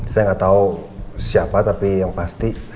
saya gak tau siapa tapi yang pasti